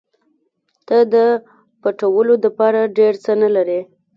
ته د پټولو دپاره ډېر څه نه لرې.